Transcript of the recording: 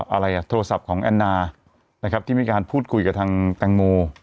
อะไรอ่ะโทรศัพท์ของแอนนานะครับที่มีการพูดคุยกับทางแตงโม